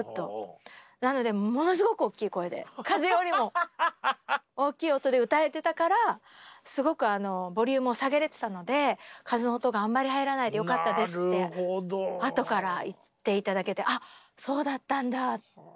なのでものすごく大きい声で風よりも大きい音で歌えてたからすごくボリュームを下げれてたので風の音があんまり入らないでよかったですってあとから言って頂けてあっそうだったんだって。